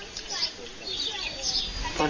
อืมอืม